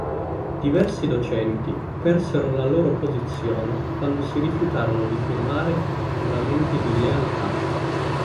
Diversi docenti persero la loro posizione quando si rifiutarono di firmare giuramenti di lealtà.